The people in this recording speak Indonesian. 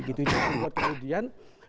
itu buat kemudian